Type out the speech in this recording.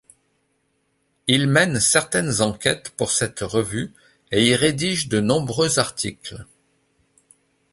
Il mène certaines enquêtes pour cette revue et y rédige de nombreux articles.